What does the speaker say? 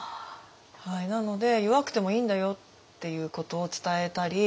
なので弱くてもいいんだよっていうことを伝えたり